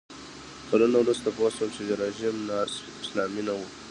کلونه وروسته پوه شوم چې رژیم نا اسلامي نه و.